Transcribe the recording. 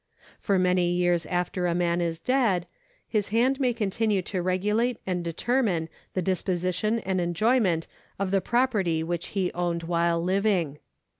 For many years after a man is dead, his hand may continue to regulate and determine the disposition and enjoyment of the property which he owned while living.